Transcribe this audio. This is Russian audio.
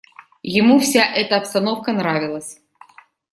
Ему вся эта обстановка нравилась.